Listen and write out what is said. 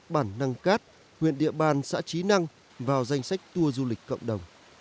bản năng cát huyện địa bàn xã trí năng vào danh sách tour du lịch cộng đồng